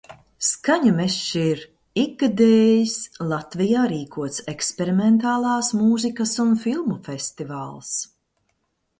Skaņu mežs ir ikgadējis Latvijā rīkots eksperimentālās mūzikas un filmu festivāls.